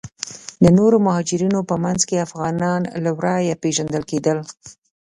د نورو مهاجرینو په منځ کې افغانان له ورایه پیژندل کیدل.